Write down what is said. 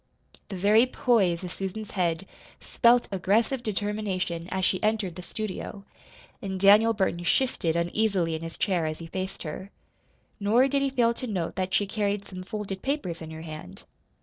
The very poise of Susan's head spelt aggressive determination as she entered the studio; and Daniel Burton shifted uneasily in his chair as he faced her. Nor did he fail to note that she carried some folded papers in her hand.